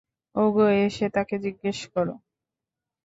ওগো, এসে তাকে জিজ্ঞেস কর।